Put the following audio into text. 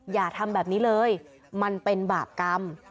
อย่าทำแบบนี้เลยมันเป็นบาปกรรม